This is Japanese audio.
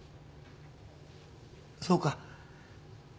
そうか。